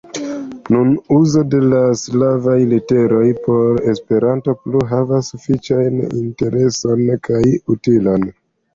Nun, uzo de la slavaj literoj por Esperanto plu havas sufiĉajn intereson kaj utilon.